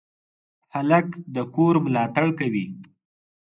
هلک د کور ملاتړ کوي.